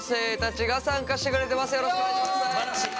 よろしくお願いします。